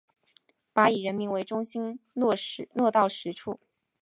把以人民为中心落到实处